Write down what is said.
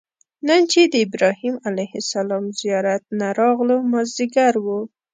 نن چې د ابراهیم علیه السلام زیارت نه راغلو مازیګر و.